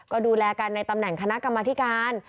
ก็ดูแลกันในตำแหน่งคณะกรรมธิการ